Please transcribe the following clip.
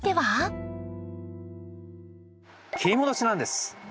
切り戻しなんです。